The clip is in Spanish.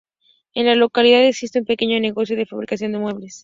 En la localidad existe un pequeño negocio de fabricación de muebles.